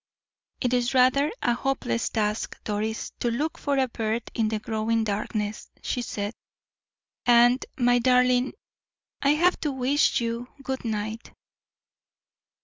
"It is rather a hopeless task, Doris, to look for a bird in the growing darkness," she said; "and, my darling, I have come to wish you good night."